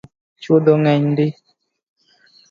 Chwodho ng’eny ndii